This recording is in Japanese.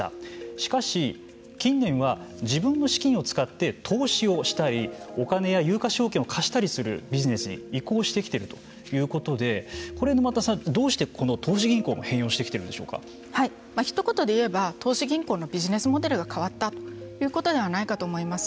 しかし、近年は自分の資金を使って投資をしたりお金や有価証券を貸したりするビジネスに移行してきているということでこれ沼田さん、どうして投資銀行も変容してきているんでひと言で言えば投資銀行のビジネスモデルが変わったということではないかと思います。